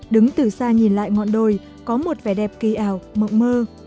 đứng từ xa nhìn lại ngọn đồi có một vẻ đẹp kỳ ảo mộng mơ